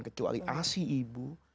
kecuali asli ibu